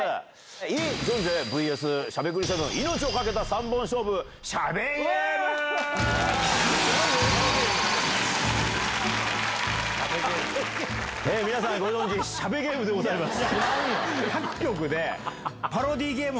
イ・ジョンジェＶＳしゃべくり００７、命をかけた３本勝負しゃべゲーム。